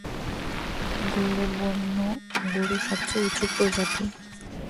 গৌর বন্য গরুর সবচেয়ে উঁচু প্রজাতি।